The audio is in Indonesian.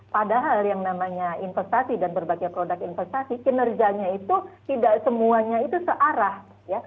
padahal yang namanya investasi dan berbagai produk investasi kinerjanya itu tidak semuanya itu searah ya